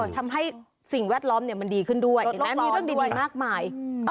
ทำให้สิ่งแวดล้อมมันดีขึ้นด้วยเห็นไหมมีเรื่องดีมากมาย